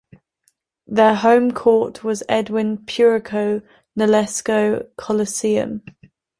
Their home court was the Edwin "Puruco" Nolasco Coliseum.